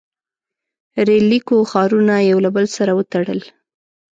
• ریل لیکو ښارونه یو له بل سره وتړل.